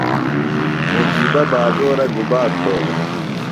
مجیبہ بازورہ گُبا کھولوۡ؟